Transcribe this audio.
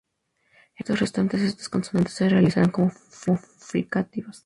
En los contextos restantes estas consonantes se realizarán como fricativas.